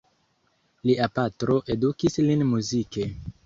Lia patro edukis lin muzike.